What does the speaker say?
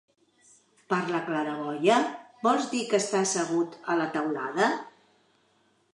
Per la claraboia? Vols dir que està assegut a la teulada?